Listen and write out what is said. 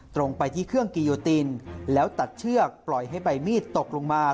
ตรงไปที่เครื่องกิโยตินแล้วตัดเชือกปล่อยให้ใบมีดตกลงมา